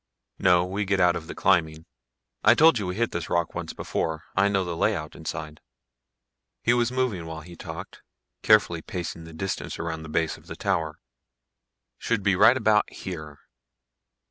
"No, we get out of the climbing. I told you we hit this rock once before. I know the layout inside." He was moving while he talked, carefully pacing the distance around the base of the tower. "Should be right about here."